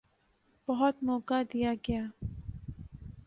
بہت موقع دیا گیا۔